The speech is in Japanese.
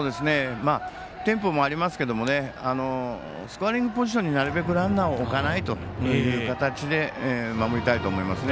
テンポもありますけどスコアリングポジションになるべくランナーを置かないという形で守りたいと思いますね。